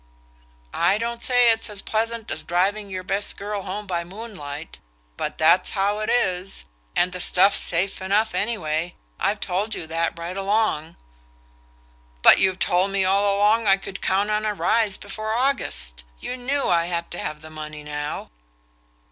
"I don't say it's as pleasant as driving your best girl home by moonlight. But that's how it is. And the stuff's safe enough any way I've told you that right along." "But you've told me all along I could count on a rise before August. You knew I had to have the money now."